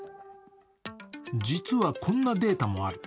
実はこんなデータもある。